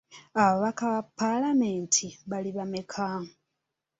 Ababaka ba paalamenti bali bameka?